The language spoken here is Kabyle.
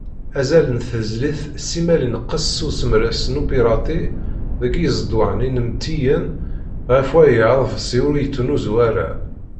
Azal n tezlit simmal ineqqes s usemres n upirati deg yiẓeḍwan inmettiyen, ɣef waya, aḍebsi ur yettnuzu ara.